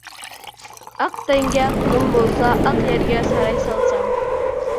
ئاق تەڭگە پۇلۇم بولسا، ئاق يەرگە ساراي سالسام.